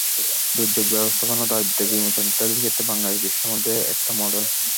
দুর্যোগ ব্যবস্থাপনা, দারিদ্র্য বিমোচন ইত্যাদি ক্ষেত্রে বাংলাদেশ বিশ্বের মধ্যে একটা মডেল।